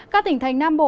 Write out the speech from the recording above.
các tỉnh thành nam